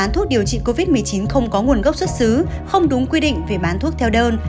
thuốc điều trị covid một mươi chín không có nguồn gốc xuất xứ không đúng quy định về bán thuốc theo đơn